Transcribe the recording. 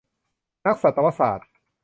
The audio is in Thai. นักสัตวศาสตร์